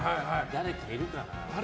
誰かいるかな？